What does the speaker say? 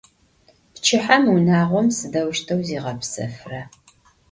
Pçıhem vunağom sıdeuşteu ziğepsefıra?